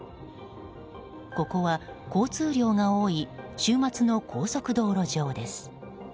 ここは交通量が多い週末の高速道路上です。